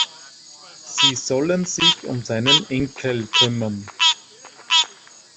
Sie sollen sich um seinen Enkel kümmern.